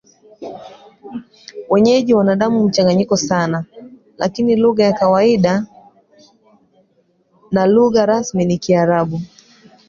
Wenyeji wana damu mchanganyiko sana, lakini lugha ya kawaida na lugha rasmi ni Kiarabu.